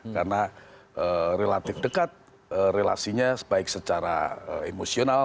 karena relatif dekat relasinya baik secara emosional